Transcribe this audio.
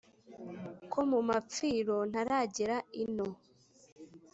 ko mu mapfiro ntaragera ino